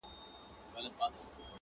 غریب سړی پر لاري تلم ودي ویشتمه؛